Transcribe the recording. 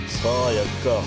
焼くか。